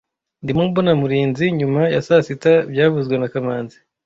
Ndimo mbona Murinzi nyuma ya saa sita byavuzwe na kamanzi